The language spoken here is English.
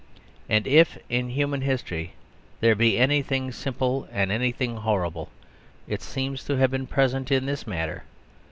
And, if in human history there be anything simple and anything horrible, it seems to have been present in this matter.